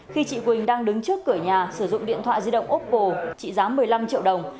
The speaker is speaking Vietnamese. khi chị quỳnh đang đứng trước cửa nhà sử dụng điện thoại di động opple trị giá một mươi năm triệu đồng